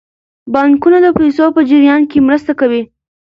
بانکونه د پیسو په جریان کې مرسته کوي.